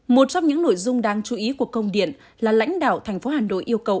một trong những nội dung đáng chú ý của công điện là lãnh đạo thành phố hà nội yêu cầu